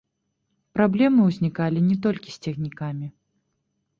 Праблемы ўзнікалі не толькі з цягнікамі.